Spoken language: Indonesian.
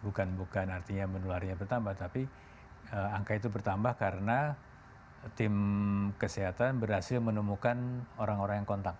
bukan bukan artinya menularnya bertambah tapi angka itu bertambah karena tim kesehatan berhasil menemukan orang orang yang kontak